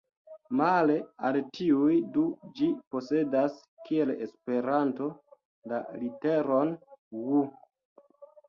Male al tiuj du ĝi posedas, kiel Esperanto, la literon "ŭ".